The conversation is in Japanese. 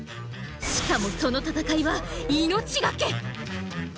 しかもその闘いは「命がけ」！